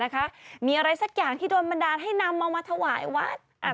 แล้วมีอะไรสักอย่างที่โดนบันดาลให้นำมาถวายวัฒน์